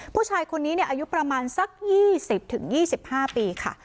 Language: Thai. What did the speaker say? ผู้ชายคนนี้อายุประมาณสัก๒๐๒๕ปีค่ะ